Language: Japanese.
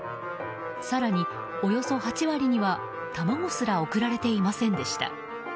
更に、およそ８割には卵すら送られていませんでした。